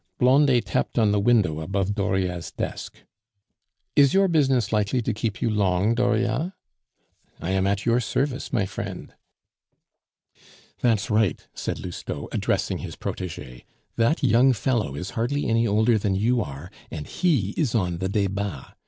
Blondet tapped on the window above Dauriat's desk. "Is your business likely to keep you long, Dauriat?" "I am at your service, my friend." "That's right," said Lousteau, addressing his protege. "That young fellow is hardly any older than you are, and he is on the Debats!